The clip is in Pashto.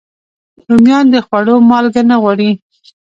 رومیان د خوړو مالګه نه غواړي